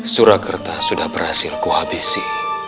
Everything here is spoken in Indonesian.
surakerta sudah berhasil kuhabisi